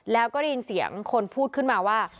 แล้วก็ได้ยินเสียงคนพูดขึ้นมาว่า